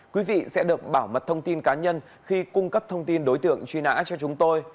quý vị sẽ được bảo mật thông tin cá nhân khi cung cấp thông tin đối tượng truy nã cho chúng tôi